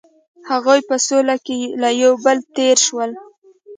هغوی په سوله کې له یو بل تیر شول.